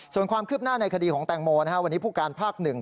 ส่วนความคืบหน้าในคดีของแตงโมวันนี้ผู้การภาคหนึ่ง